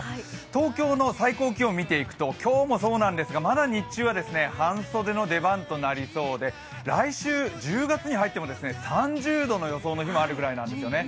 東京の最高気温を見ていくと、今日もそうなんですが、まだ日中は半袖の出番ということで来週１０月に入っても３０度の予想の日もありそうなんですね。